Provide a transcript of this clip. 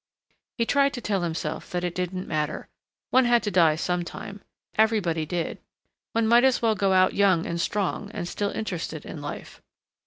He tried to tell himself that it didn't matter. One had to die some time. Everybody did. One might as well go out young and strong and still interested in life.